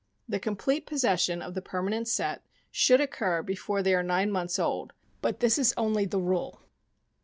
The complete possession of the permanent set should occur before they are nine months old, but this is only the rule.